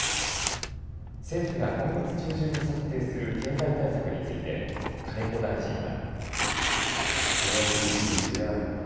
政府が今月中旬に策定する経済対策について金子大臣は。